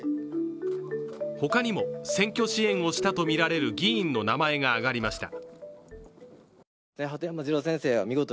他にも選挙支援をしたとみられる議員の名前が挙がりました。